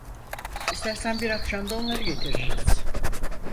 İstersen bir akşam da onları getiririz.